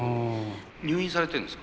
入院されてるんですか？